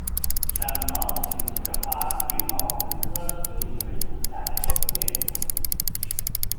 展毛翠雀花为毛茛科翠雀属下的一个变种。